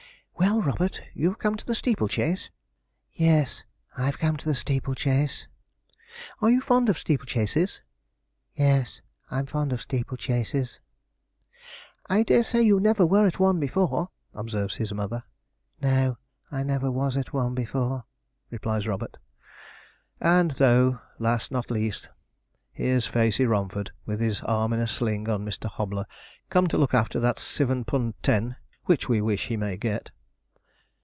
'Well, Robert, you've come to the steeple chase?' 'Yes, I've come to the steeple chase.' 'Are you fond of steeple chases?' 'Yes, I'm fond of steeple chases.' 'I dare say you never were at one before,' observes his mother. 'No, I never was at one before,' replies Robert. And though last not least, here's Facey Romford, with his arm in a sling, on Mr. Hobler, come to look after that sivin p'und ten, which we wish he may get.